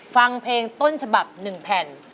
ฟังเพลงต้นฉบับ๑แผ่น